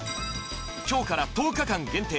今日から１０日間限定